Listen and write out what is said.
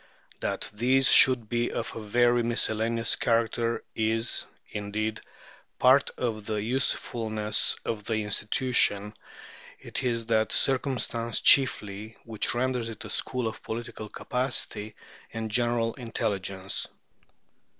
That these should be of a very miscellaneous character is, indeed, part of the usefulness of the institution; it is that circumstance chiefly which renders it a school of political capacity and general intelligence.